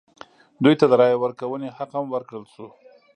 دوی ته د رایې ورکونې حق هم ورکړل شو.